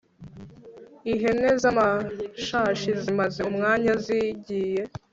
ihene z'amashashi zimaze umwanya zigiye